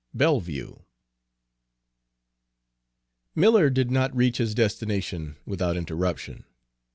XXIII BELLEVIEW Miller did not reach his destination without interruption.